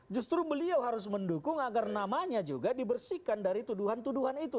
justru beliau harus mendukung agar namanya juga dibersihkan dari tuduhan tuduhan itu